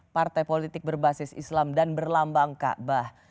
partai politik berbasis islam dan berlambang kaabah